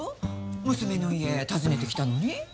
娘の家訪ねてきたのに？